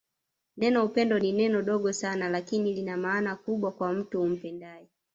Neno upendo ni neno dogo Sana lakini Lina maana kubwa kwa mtu umpendae